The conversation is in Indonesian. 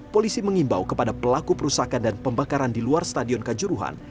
polisi mengimbau kepada pelaku perusahaan dan pembakaran di luar stadion kanjuruhan